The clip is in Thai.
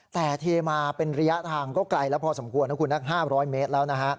แต่เทมาเป็นระยะทางก็ไกลแล้วพอสมควรนะคุณ๕๐๐เมตรแล้วนะฮะ